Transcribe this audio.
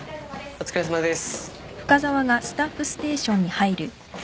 お疲れさまです。